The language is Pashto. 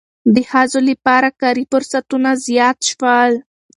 د ښځو لپاره کاري فرصتونه زیات شول.